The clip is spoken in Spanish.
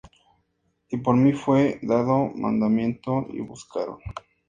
Y por mí fué dado mandamiento, y buscaron;